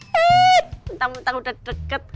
bentar bentar sudah dekat